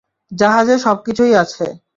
জাহাজে সবকিছুই আছে।